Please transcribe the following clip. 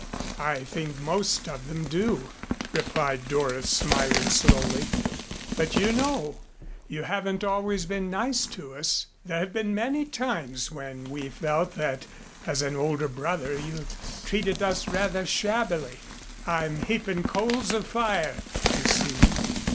"I think most of them do," replied Doris, smiling slowly, "but you know, you haven't always been nice to us. There have been many times when we felt that as an older brother you treated us rather shabbily. I'm heaping coals of fire, you see."